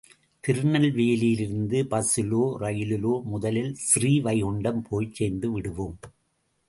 திருநெல்வேலியிலிருந்து பஸ்ஸிலோ ரயிலிலோ, முதலில் ஸ்ரீவைகுண்டம் போய்ச் சேர்ந்து விடுவோம்.